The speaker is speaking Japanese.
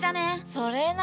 それな。